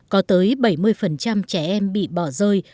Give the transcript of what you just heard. có tới bảy mươi trẻ em bị bỏ rơi